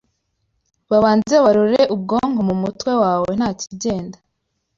Bazabanze barore ubwonko Mu mutwe wawe ntakigenda